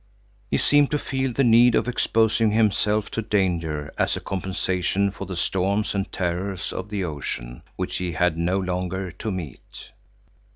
He seemed to feel the need of exposing himself to danger as a compensation for the storms and terrors of the ocean, which he had no longer to meet.